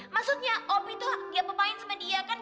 maksudnya op itu gak apa apain sama dia kan